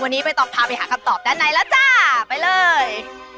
วันนี้ใบตองพาไปหาคำตอบด้านในแล้วจ้าไปเลย